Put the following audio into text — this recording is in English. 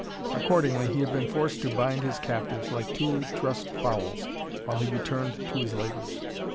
Accordingly, he had been forced to bind his captives like two trussed fowls while he returned to his labors.